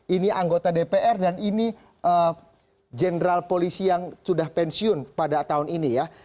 ini anggota dpr dan ini jenderal polisi yang sudah pensiun pada tahun ini ya